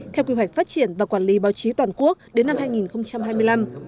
theo quy hoạch phát triển và quản lý báo chí toàn quốc đến năm hai nghìn hai mươi năm